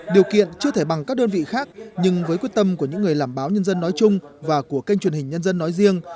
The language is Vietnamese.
điều kiện chưa thể bằng các đơn vị khác nhưng với quyết tâm của những người làm báo nhân dân nói chung và của kênh truyền hình nhân dân nói riêng